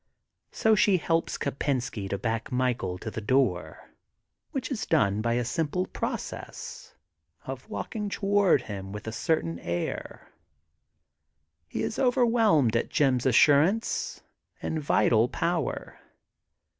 So she helps Kopensky to back Michael to the door, which is done by a simple pro cess of walking toward him with a certain air. He is overwhelmed at Jim's assurance and vital power.